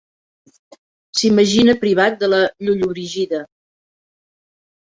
S'imagina privat de la Llollobrigida.